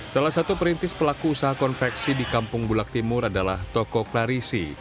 salah satu perintis pelaku usaha konveksi di kampung bulak timur adalah toko klarisi